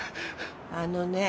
あのね